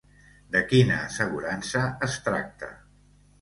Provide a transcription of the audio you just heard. De quina assegurança es tracta?